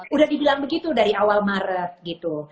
udah dibilang begitu dari awal maret gitu